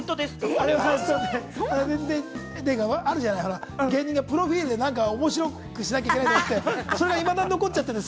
あれはね、全然、あるじゃない、芸人がプロフィルで面白くしなきゃいけないとかって、それがいまだに残っちゃってるの。